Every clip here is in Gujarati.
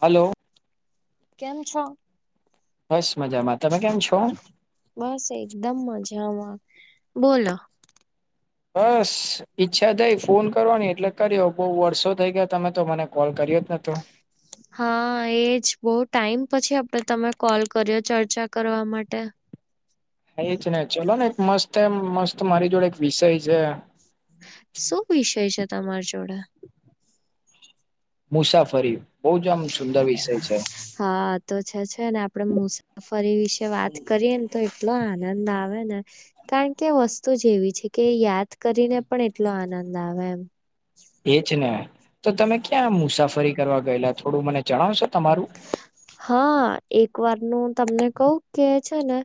હલો કેમ છો બસ મજામાં તમે કેમ છો બસ એકદમ મજામાં બોલો બસ ઈચ્છા થઈ ફોન કરવાની એટલે કર્યો બહુ વર્ષો થઈ ગયા તમે તો મને કોલ કર્યો જ નતો હા એજ બહુ ટાઈમ પછી આપડે તમે કોલ કર્યો ચર્ચા કરવા માટે એ જ ને ચલો ને એક મસ્ત એમ મસ્ત મારી જોડે એક વિષય છે. શું વિષય છે તમાર જોડે મુસાફરી બહુ જ આમ સુંદર વિષય છે. હા તો છે છે ને આપડે મુસાફરી વિશે વાત કરીએ ને તો એટલો આનંદ આવે ને કારણ કે વસ્તુ જેવી છે કે યાદ કરીને પણ એટલો આનંદ આવે એમ. એ જ ને, તો તમે ક્યાં મુસાફરી કરવા ગયેલા થોડું મને જણાવશો તમારું? હા એક વારનું તમને કવ કે છે, ને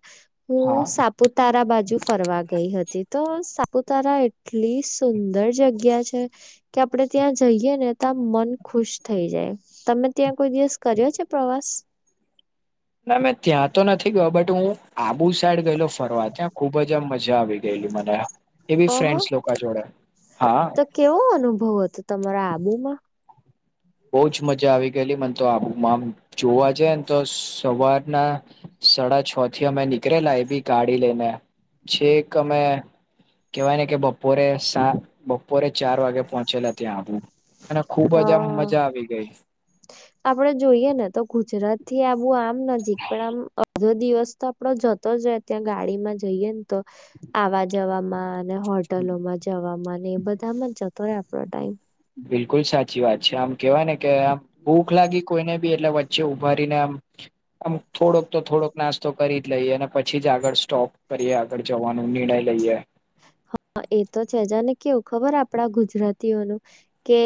હું હા સાપ સાપુતારા બાજુ ફરવા ગઈ હતી તો સાપુતારા એટલી સુંદર જગ્યા છે. કે આપડણે ત્યાં જઈય ને ત્યાં મન ખુશ થઈ જાય, તમે ત્યાં કોઈ દિવસ કર્યો છે પ્રવાસ? ના મેં ત્યાં તો નથી ગયો બટ હું આબુ સાઈડ ગયેલો ફરવા ત્યાં ખુબ જ આમ મજા આવી. મને એવી ઓહો ફ્રેન્ડ લોકો જોડે, હા. તો કેવો અનુભવ હતો તમારા આબુમાં? બહ જ મજા આવી ગયેલી મને તો આમ જોવા જ ને તો સવારના સાડા છ થી અમે નીકળેલા એ બી ગાડી લઈને છે, એક અમે કહેવાય ને કે બપોરે સા બપોરે ચાર વાગે પહોંચેલા ત્યાં આવું. હા, આપડે જોઈએ ને તો ગુજરાત થી આવું આમ નજીક પણ આમ બધો દિવસ તો આપડો જતો જાય ત્યાં ગાડી માં જઈએ ને તો, આવવા જવામાં. હોટલોમાં જવાવામાં એ બધા માં જતો રહેે આપો ટાઈમ. બિલકુલ સાચી વાત છે, આમ કેવાય ને કે આમ કેવાય ને કે ભૂખ લાગી કોઈને બી એટલે વચ્ચે ઉભારીને આમ આમ થોડોક તો થોડોક નાસ્તો કરી જ લઈએ અને પછી જ આગળ સ્ટોપ કરીએ. જવાનો નિર્ણય લઈએ. એ તો છેજને કેવું ખબર આપડા ગુજરાતીઓનું. કે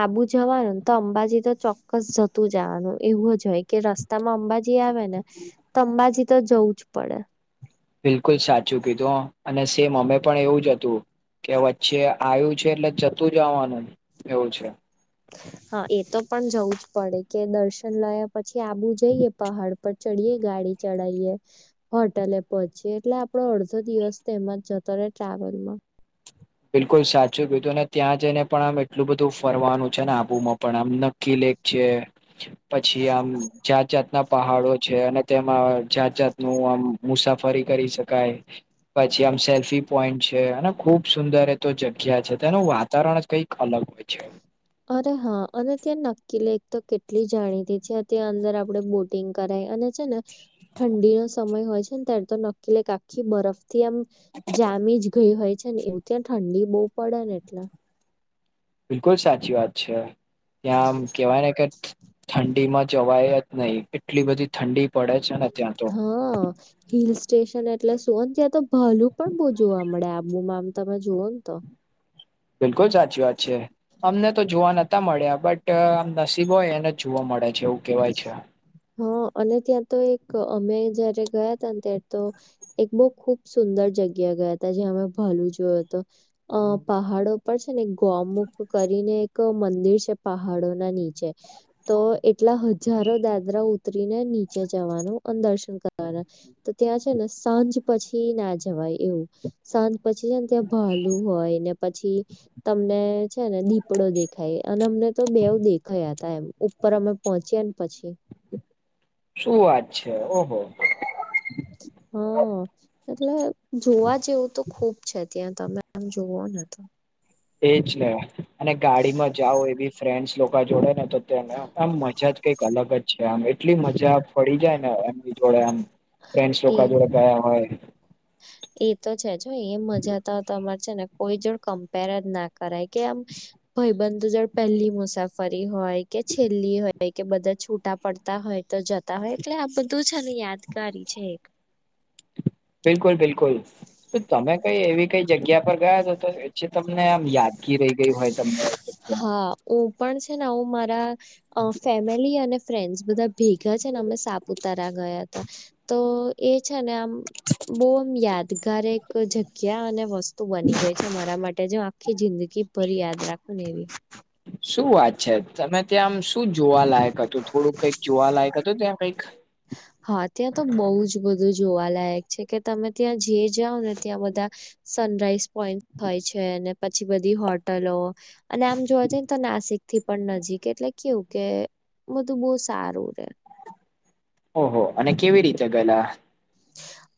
આબુ જવાનું ને તો અંબાજી તો ચોક્કસ જતું જવાનું એવું જ હોય કે રસ્ તમાં અંબાજી આવે ને, તો અંબાજી તો જવું જ પડે. બિલકુલ સાચું કીધું અને સેમ અમે પણ એવું જ હતું. કે વચ્ચે આવ્યું છે એટલે જતું જવાનું એવું છે. હા એ તો પણ જવું જ પડે કે દર્શન લયા પછી આવુ જઈએ પહાડપટ. ચડીએ ગાડી ચઢીએ. હોટેલે પહોચી એટલે આપડો અડધો દિવસ તેમાંજ જતો રહેે ટ્રાવેલમાં. બિલકુલ સાચું કીધું ને ત્યાં જઈને પણ આમ એટલું બધું ફરવાનું છે ને આબુમાં પણ આમ નક્કી લે પ છે. પછી આમ જાત જાત ના પહાડો છે અને તેમાં જાત જાતનું આમ મુસાફરી કરી શકાય પછી, આમ સેલ્ફી પોઈન્ટ છે, અને ખુબ સુંદર એ તો જગ્યા છે તેનું વાતાવરણ કઈક અલગ હોય છે. અરે હા અને ત્યાં નકીલી એક તો કેટલી જાણીતી છે તં અંદર આપડણે બ કર અને છે, ને ઠંડીનો સમય હોય છે ને ત્યારે તો ન આખી બરફ થી આમ, જામી જ ગઈ હોય છે ને એવું ત્યાં ઠંડી બહુ પડે ને એટલે. બિલકુલ સાચી વાત છે, ત્યાંમ કેવાય ને કે ઠંડીમાં જવાય જ નહી એટલી બધી ઠંડી પડે છે. ને ત્યાં તો હા, હિલ સ્ટેશન એટલે સુંન ત્યાં તો ભલું પણ બહ જોવા મળે. મું મામ તમે જઝુઓન તો. બિલકુલ સાચી વાત છે, અમને તો જોવા નથી. તા મળ્યા બટ આમ નસીબો હોય એને જ જોવા મળે છે એવું કેવાય છે. હા અને ત્યાં તો એક અમે જયારે ગયા ત ને ત્યારે તો એક બહ ખુબ સુંદર જગ્યા ગયા હતા જ્યાં અમે ભલ જોયો તો, અ પહાડો પણ છે ને એક ગોમુખ કરીને એક મંદિર છે પહાડો ના નીચે તો એટલા હજ હજારો દાદરા ઉતરીને નીચે જવાનું અને દર્શન કરવાના. તો ત્યાં છે ને સાંજ પછી ના જવાય એવું સાંજ પછી છેને ત્યાં ભાલુ હોય ને પછી તમને છે ને દીપડો દેખાય અને અમને તો બેવ દેખાયા હતા એમ ઉપર અમે પહોંચ્યા ને પછી. શું વાત છે ઓહો. હ એટલે જોવા જેવું તો ખુબ છે ત્યાં તમે આમ જોવો ને. એ જ ને અને ગાડી માં જાઓ એ બી ફ્રેન્ડસ લોકો લોકા જોડે ને તોને આમ મજા જ કઈક અલગ જ છે. આમ એટલી મજા પડી જાય એમ ભી જોડે એમ ફ્રેંસ એ લોકા જોડે ગયા હોય. એ તો છે જો એ મજા તો તો તમારે છે ને કોઈ જોડ કમ્પેરજ ના કરાય કે આમ ભઈબંધ જોડે પહેલી મુસાફરી હોય કે છેલ્લી હોય કે બધા છૂટા પડતા હોય તો જતા હોય એટલે આ બધું છે ને યાદગારી છે. બિલકુલ-બિલકુલ તમે કઈ એવી કઈ જગ્યા પર ગયા તો-તો જે તમને આમ યાદગી રહી ગઇ હોય તમને જગ્યા. ઓ પણ છે ને ઓ મારા અ ફેમિલી અને ફ્રેન્ડસ બધા ભેગા છે ને અમે સાપુતારા ગયા હતા. તો એ છે ને આમ બો આમ યાદગાર એક જગ્યા અને વસ્તુ તું બની ગય છે મારા માટે જે આખી જિંદગી ભરી યાદ રાખું ને એવી. શું વાત છે તમે ત્યાં આમ શું જોવાલાયક હતું થોડું કઈક જોવાલાયક હતું ત્યાં. કંઈક. હા ત્યાં તો બહુ જ બધું જોવાલાયક છે કે તમે ત્યાં જે જાઓ ને ત્યાં બધા સનરાઈઝ પોઈન્ટ હોય છે અને પછી બધી હોટલો અને આમ જોવા જઈએને તો નાસિક થી પણ નજીક એટલે કેવું કે બધું બહું સારું રે. ઓહો અને કેવી રીતે ગયેલા.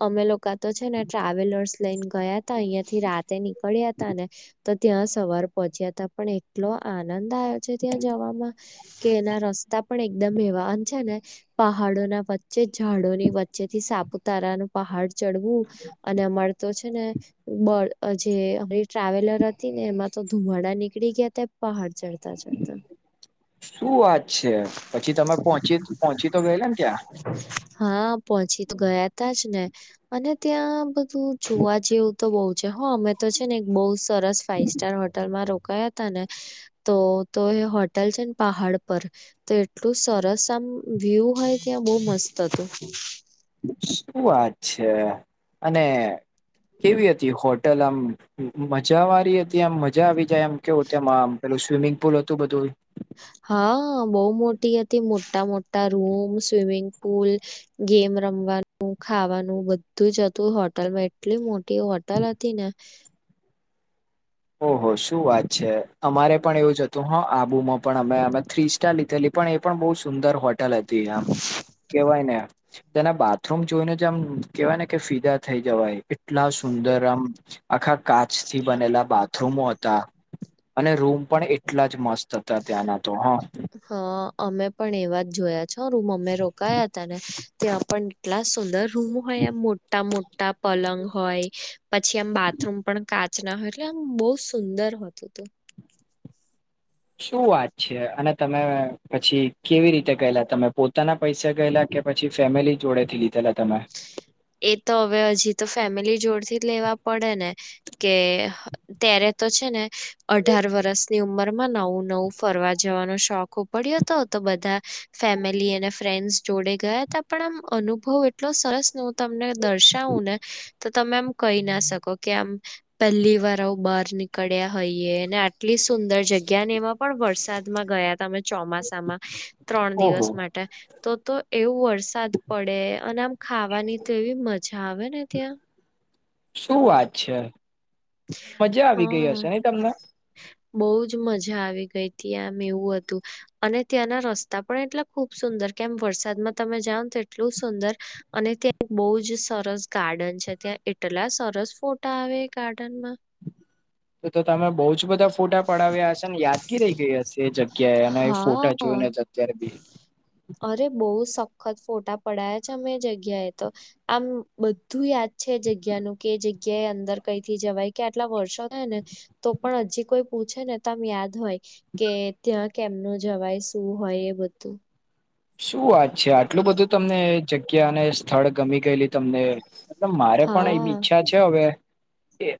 અમે લોકા તો છે ને ટ્રાવેલર્સ લઈને ગયા તા અહિયાં થી રાતે નીકળ્યા હતા ને તો ત્યાં સવાર પહોંચ્યાતા પણ એટ એટલો આનંદ આયો છે ત્યાં જવામાં કે એના રસ્તા પણ એકદમ એવા આમ છે ને પહાડો ના વચ્ચે ઝાડોની વચ્ચે થી સાપ ઉતારા નું પહાડ ચડવું અને અમારે તો છે ને બળ અ જે અમારી ટ્રાવેલર હતી ને એમાં તો ધુમાડા નીકળી ગયતા પહાડ ચઢતા-ચઢતા. શું વાત છે પછી તમે પોહચી પોહચી તો ગયેલા ને ત્યાં. હા પહોંચી તો ગયા તા જ ને. અને ત્યાં બધું જોવા જેવું તો બહુ છે હ અમે તો છે ને બહુ સરસ ફાઈવ સ્ટાર હોટલમાં રોકાયા હતા ને તો તો એ હોટેલ છે ને પહાડ પર. તો એટલું સરસ આમ વ્યુ હોય ત્યાં બહુ મસ્ત હતું. શું વાત છે અને કેવી હતી હોટલ આમ મજાવારી હતી આમ મજા આવી જાય એમ કેવું તેમાં પેલું સ્વિમિંગ પુલ હતું બધું. હા બઉ મોટી હતી મોટા-મોટા રૂમ સ્વિમિંગ પુલ ગેમ રમવાનું ખાવાનું બધું જ હતું હોટલમાં એટલી મોટી હોટલ હતી ને. ઓહો શું વાત છે અમારે પણ એવું જ હત તું હો આબુમાં પણ અમે અમે થ્રી સ્ટાર લીધેલી પણ એ પણ બઉ સુંદર હોટલ હતી આમ કેવાય ને તેના બાથરૂમ જોઈને જ આમ કેવાય ને કે ફીદા થઈ જવાય એટલા સુંદર આમ આખા કાચથી બનેલા બાગ થ્રુમો હતા અને રૂમ પણ એટલા જ મસ્ત હતા ત્યાંના તો હ હ અમે પણ એવા જોયા છો રૂમો અમે રોકાયા હતા ને ત્યાં પણ એટલા સુંદર રૂમ હોય એમ મોટા મોટા પલંગ હોય પછી આમ બાથરૂમ પણ કાચ ના હોય એટલે આમ બહુ સુંદર હતું તે શું વાત છે અને તમે પછી કેવી રીતે ગયેલા તમે પોતાના પૈસા ગયેલા કે પછી ફેમિલી જોડેથી લીધેલા તમેં એ તો હવે હજી તો ફેમિલી જોડથી લેવા પડે ને કે ત્યારે તો છે ને, અઢાર વરસની ઉંમરમાં નવું નવું ફરવા જવાનો શોક [unintelligible] પડ્યો તો, તો બધા ફેમિલી અને ફ્રેન્ડસ જોડે ગયા, તો પણ આમ અનુભવ એ ટલો સરસ, ને હું તમને દર્શાવું ને, તો તમે આમ કહી ના શકો કે આમ પહેલી વાર આવું બહાર નીકળ્યા હોઈએ, આટલી સુંદર જગ્યા ને એમાં પણ વરસાદમાં ગયા, તા અમે ચોમાસામાં ત્રણ દિવસ ઓહો! માટે, તો તો એવું વરસાદ પડે અને આમ ખાવાની તો એવી મજા આવે ને ત્યાં શું વાત છે, મજા આવી ગઈ હા હશે ને તમને બહુ જ મજા આવી ગઈ તી આમ એવું હતું. અને ત્યાંના રસ્તા પણ એટલા ખૂબ સુંદર, કેમ વરસાદમાં તમે જાવ ને તો એટલુ સુંદર. અને ત્યાં એક બહુ જ સરસ ગાર્ડન છે, ત્યાં એટલા સરસ ફોટા આવે ગાર્ડનમાં તો તો તમે બહુ જ બધ ધા ફોટા પડાવ્યા હશે ને, યાદ [unintelligible] રહી ગઈ હશે એ જગ્યા અને એ ફોટા હા જોઈને અત્યારે બી અરે, બહુ સખત ફોટા પડાયા છે અમે એ જગ્યાએ તો આમ બધું યાદ છે એ જગ્યાનું કે એ જગ્યાએ અંદર કઈથી જવાય, કે આટલા વર્ષો હે ને. તો પણ હજી કોઈ પૂછે ને, તો આમ યાદ હોય કે ત્યાં [unintelligible] કેમનું જવાય, શું હોય, એ બધું. શું વાત છે, આટલું બધું તમને જગ્યા અને સ્થળ ગમી ગયેલી તમને અમ મારે પણ એવી હા ઈચ્છા છે હવે કે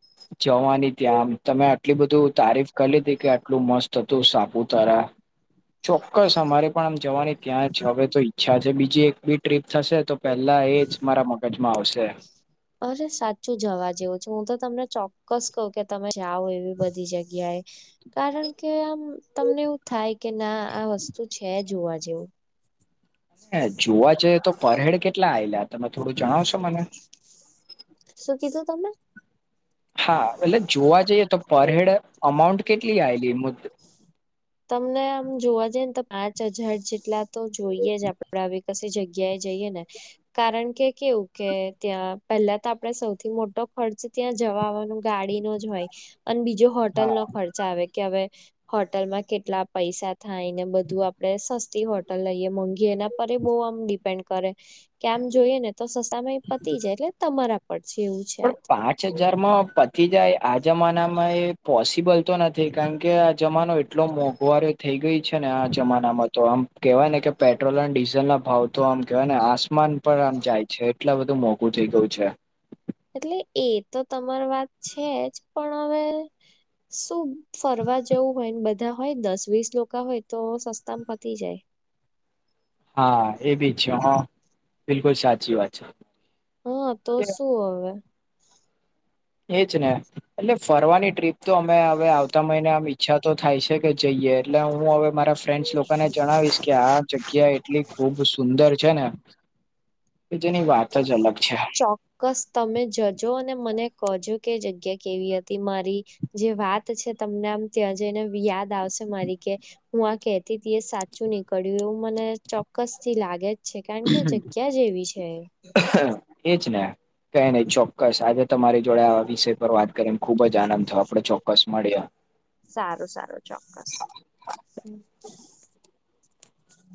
જવાની ત્યાં આમ તમે આ કે બધું તારીફ કલી તી કે આટલું મસ્ત હતું સાપુતારા, ચોક્કસ અમારે પણ આમ જવાની ત્યાજ હવે તો ઈચ્છા છે, બીજી એક બી ટ્રિપ થશે તો પહેલા એ જ મારા મગજમાં આવશે. અરે સાચું જવા જેવું છે, હું તો તમને ચોક્કસ કહું કે તમે જાઓ, એવી બધી જગ્યાએ કારણ કે આમ તમને એવું થાય કે ના, આ વસ્તુ છે જોવા જેઉં હા, જોવા જઈએ તો પરહેડ કેટલા આએલા તમે થોડું જણાવશ શું કીધું તમે? હા, એટલે જોવા જઈએ તો પર હેડ અમાઉન્ટ કેટલી આએલી [unintelligible] તમને આમ જોવા જઈએ ને તો પાંચ હજાર જેટલા તો જોઈએ જ, આપ [unintelligible] આવી કશી જગ્યાએ જઈએ ને કારણ કે કેવું કે ત્યાં પહેલા તો આપડે સૌથી મોટો ખર્ચ ત્યાં જવા આવવાનું ગાડીનો જ હોય અન બીજો હા હોટલનો ખર્ચ આવે, કે હવે હોટલમાં કેટલા પૈસા થાય ને બધું આપડે સસ્તી હોટલ લઈએ મોંઘી એના પરે બહુ આમ ડીપ ન કરે, આમ જોઈએ ને તો સસ્તા માંય પતી જાય, એટલે તમારા પર છે, એવું છે પણ આ તો પાંચ હજારમાં પતી જાય? આ જમાનામાં એ પોસિબલ તો નથી, કારણ કે આ જમાનો એટલો મોંઘો છે. મોઘવારી ઓ થઈ ગઈ છે ને, આ જમાનામાં તો આમ કહેવાય ને કે પેટ્રોલ અને ડીઝલના ભાવ તો આમ કહેવાય ને, આસમાન પર આમ જાય છે, એટલે આ બધું મોંઘું થઈ ગયું છે. એટલે એ તો તમાર વાત છે જ, પણ હવે શું ફરવા જેવું હોય ને બધા હોય, દસ-વીસ લોકો હોય, તો સસ્તામાં પતી જાય. હા, એ બી છે હો, બિલકુલ સાચી વાત છે. હા, તો શું હવે? એ જ ને, એટલે ફરવાની ટ્રિપ તો અમે હવે આવતા મહિને આમ ઈચ્છા તો થાય છે કે જઈએ, એટલે હું હવે મારા ફ્રેન્ડ્સ લોકોને જણાવીશ કે આ જગ્યા એ એટલી ખૂબ સુંદર છે ને, જેની વાત જ અલગ છે. ચોક્કસ, તમે જજો અને મને કહજો કે જગ્યા કેવી હતી, મારી જે વાત છે, તમને આમ ત્યાં જઈને બી યાદ આવશે મારી કે? હું આ કહેતી તી, એ સાચું નીકળ્યું, એવું મને ચોક્કસથી લાગે છે, કારણ કે, જગ્યા એવી છે. એ જ ને કંઈ નહીં ચોક્કસ, આજે તમારી જોડે આ વિષય પર વાત કરીને ખૂબ જ આનંદ થયો, આપણે ચોક્કસ મળીએ. સારું, સારું, ચોક્કસ.